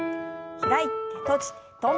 開いて閉じて跳んで。